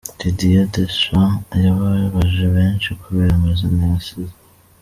Didier Deschamps yababaje benshi kubera amazina yasize.